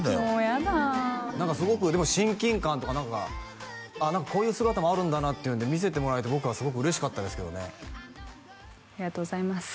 何かすごくでも親近感というか何かこういう姿もあるんだなっていうので見せてもらえて僕はすごく嬉しかったですけどねありがとうございます